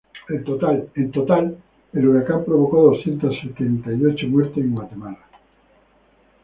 En total, el huracán provocó doscientas sesenta y ocho muertes en Guatemala.